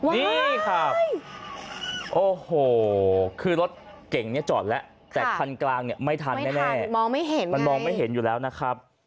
นี้ครับโอ้โหคือรถเก่งเนี่ยจอดแหละแต่คันกลางเนี่ยไม่ทันอยู่แล้วนะครับ